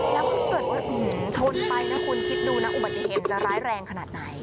แล้วถ้าเกิดว่าชนไปนะคุณคิดดูนะอุบัติเหตุจะร้ายแรงขนาดไหน